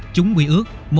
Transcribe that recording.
chúng quy ước